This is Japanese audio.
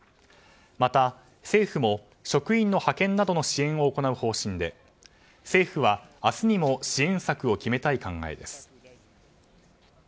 また、政府も職員の派遣などの支援を行う方針で政府は、明日にも支援策を決めたい考えです。